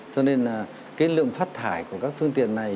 cho nên là cái lượng phát thải của các phương tiện này